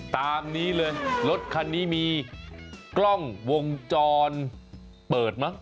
ตามนี้เลยรถคันนี้มีกล้องวงจรปิดเปิดมั้ง